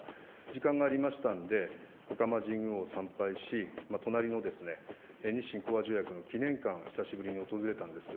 時間がありましたんで、神宮を参拝し、隣の日清講和条約の記念館、久しぶりに訪れたんです。